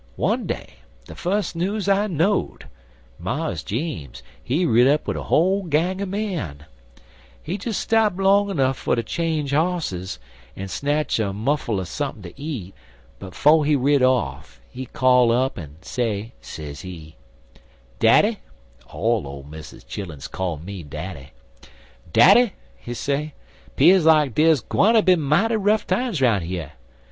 one day, de fus news I know'd, Mars Jeems he rid up wid a whole gang er men. He des stop long nuff fer ter change hosses en snatch a mouffle er sump'n ter eat, but 'fo' he rid off, he call me up en say, sez he: "'Daddy' all Ole Miss's chilluns call me daddy 'Daddy,' he say, ''pears like dere's gwineter be mighty rough times 'roun' yer.